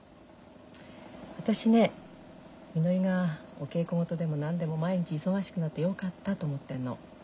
私ねみのりがお稽古事でも何でも毎日忙しくなってよかったと思ってるの。